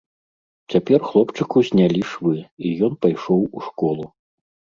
Цяпер хлопчыку знялі швы, і ён пайшоў у школу.